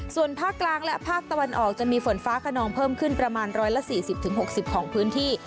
ส่วนภาคกลางและภาคตะวันออกจะมีฝนฟ้าขนองเพิ่มขึ้นประมาณ๑๔๐๖๐ของพื้นที่